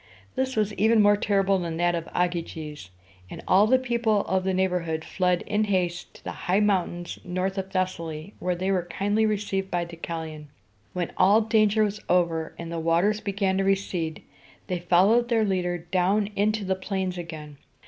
This was even more terrible than that of Ogyges; and all the people of the neighborhood fled in haste to the high mountains north of Thes´sa ly, where they were kindly received by Deucalion. When all danger was over, and the waters began to recede, they followed their leader down into the plains again.